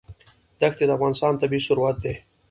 دښتې د افغانستان طبعي ثروت دی.